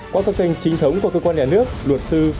qua các kênh chính thống của cơ quan nhà nước luật sư